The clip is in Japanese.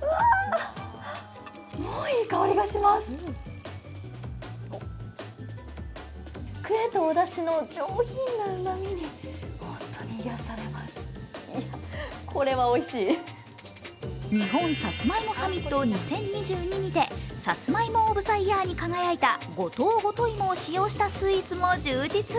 うわぁ、もういい香りがします日本さつまいもサミット２０２２にてさつまいも・オブ・ザ・イヤーに輝いた五島ごと芋を使用したスイーツも充実。